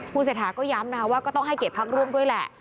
ผู้เศรษฐาก็ย้ำนะคะว่าก็ต้องให้เกตภักดิ์ร่วมด้วยแหละ